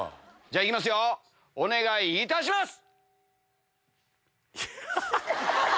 じゃあ行きますよお願いいたします！